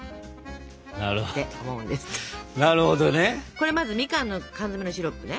これまずみかんの缶詰のシロップね。